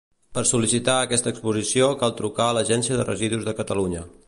Per sol·licitar aquesta exposició cal trucar a l'Agència de Residus de Catalunya.